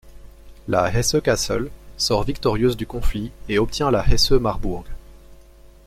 La Hesse-Cassel sort victorieuse du conflit et obtient la Hesse-Marbourg.